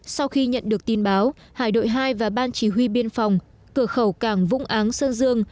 sau khi nhận được tin báo hải đội hai và ban chỉ huy biên phòng cửa khẩu cảng vũng áng sơn dương